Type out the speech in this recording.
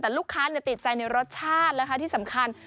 แต่ลูกค้าติดใจในรสชาตินะคะที่สำคัญ